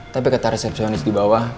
tapi kata resepsionis di bawah